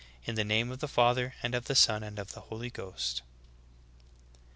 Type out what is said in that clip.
In the name of the Father and of the Son and of the Holy Ghost."'"